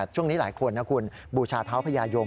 ช่วงนี้หลายคนนะคุณบูชาเท้าพญายม